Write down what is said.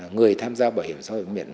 người tham gia bảo hiểm xã hội tự nguyện